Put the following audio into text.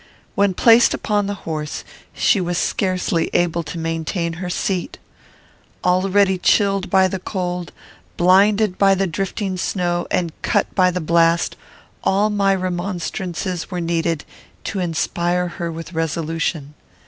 When placed upon the horse, she was scarcely able to maintain her seat. Already chilled by the cold, blinded by the drifting snow, and cut by the blast, all my remonstrances were needed to inspire her with resolution.